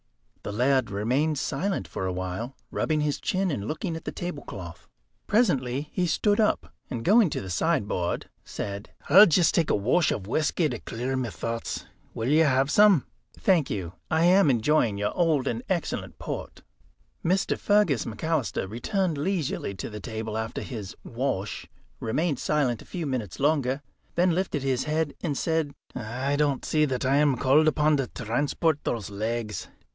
The laird remained silent for a while, rubbing his chin, and looking at the tablecloth. Presently he stood up, and going to the sideboard, said: "I'll just take a wash of whisky to clear my thoughts. Will you have some?" "Thank you; I am enjoying your old and excellent port." Mr. Fergus McAlister returned leisurely to the table after his "wash," remained silent a few minutes longer, then lifted his head and said: "I don't see that I am called upon to transport those legs."